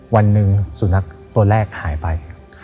วันหนึ่งสุนัขตัวแรกหายไป